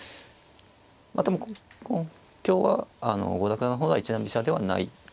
まあでも今日は郷田九段の方は一段飛車ではない。